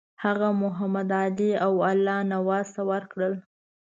هغه محمدعلي او الله نواز ته ورکړل.